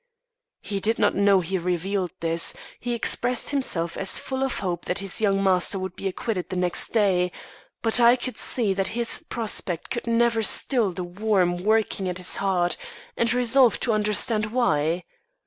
"He did not know he revealed this; he expressed himself as full of hope that his young master would be acquitted the next day; but I could see that this prospect could never still the worm working at his heart, and resolved to understand why.